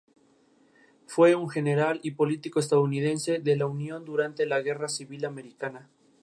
En los niveles de amputación más altos este diseño permite disminuir el peso.